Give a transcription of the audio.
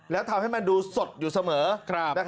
และทำให้มันดูสดอยู่เสมอครับ